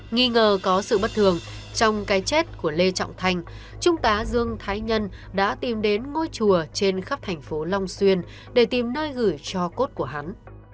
nghi ngờ có sự bất thường trong cái chết của lê trọng thành trung tá dương thái nhân đã tìm đến ngôi chùa trên khắp thành phố long xuyên để tìm nơi gửi cho cốt của hắn